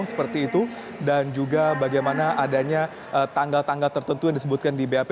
seperti itu dan juga bagaimana adanya tanggal tanggal tertentu yang disebutkan di bap